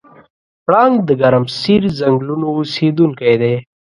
پړانګ د ګرمسیر ځنګلونو اوسېدونکی دی.